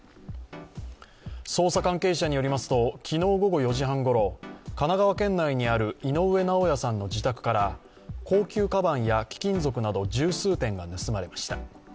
捜査関係者によりますと昨日午後４時半ごろ神奈川県内にある井上尚弥さんの自宅から、高級かばんや貴金属など十数点が盗まれました。